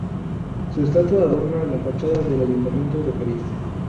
Su estatua adorna la fachada del Ayuntamiento de París.